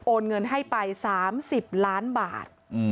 เงินให้ไป๓๐ล้านบาท